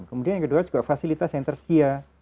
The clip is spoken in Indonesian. kemudian yang kedua juga fasilitas yang tersedia